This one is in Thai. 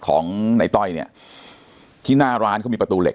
ของในต้อยเนี่ยที่หน้าร้านเขามีประตูเหล็